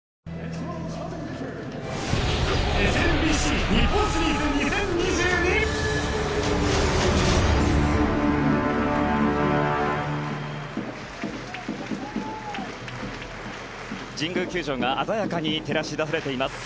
なにこの展開神宮球場が鮮やかに照らし出されています。